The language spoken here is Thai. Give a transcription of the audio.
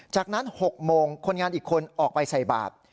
จากนั้น๖โมงคนงานอีกคนออกไปใส่บาท